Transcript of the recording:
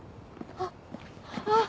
あっあぁ